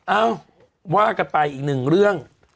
เอ้าว่ากันไปอีกหนึ่งเรื่อง